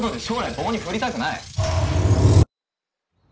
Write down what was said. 棒に振りたくない